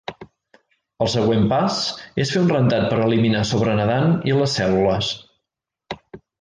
El següent pas és fer un rentat per eliminar sobrenedant i les cèl·lules.